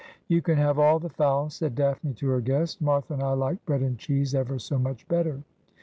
' You can have all the fowl,' said Daphne to her guest ;' Martha and I like bread and cheese ever so much better.'